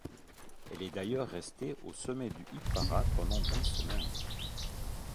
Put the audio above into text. Elle est d'ailleurs restée au sommet du hit-parade pendant dix semaines.